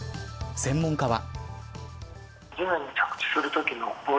専門家は。